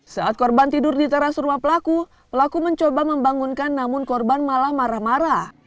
saat korban tidur di teras rumah pelaku pelaku mencoba membangunkan namun korban malah marah marah